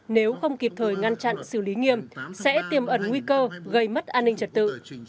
nếu không kịp thời ngăn chặn xử lý nghiêm sẽ tiêm ẩn nguy cơ gây mất an ninh trật tự